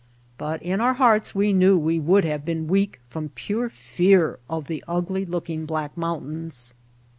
But in our hearts we knew how we would have been weak from pure fear of the ugly looking black mountains.